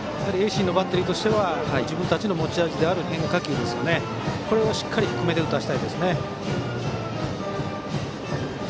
盈進のバッテリーとしては自分たちの持ち味である変化球ですね、これをしっかり低めで打たせたいです。